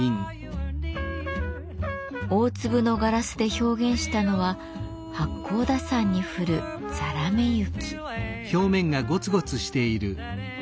大粒のガラスで表現したのは八甲田山に降るザラメ雪。